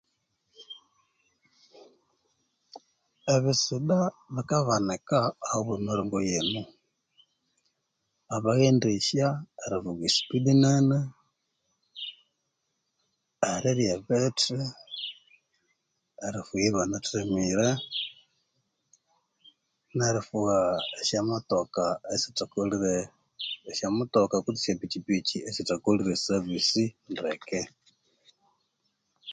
Ebisida bikabanika ahabwa emiringo yino abaghendesya erivuga sipidi nene erirya ebithi erivugha ibanathamire nerifugha esyamotoka esithakolire esyamutoka kwitsi esyapikyipikyi esithakolire savissi ndeke